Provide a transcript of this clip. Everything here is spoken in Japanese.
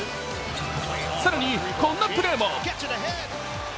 更にこんなプレーも。